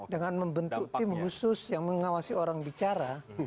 dengan membentuk tim khusus yang mengawasi orang bicara